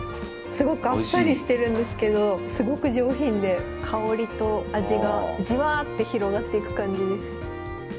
あっさりしてるんですけどすごく上品で香りと味がじわって広がっていく感じです。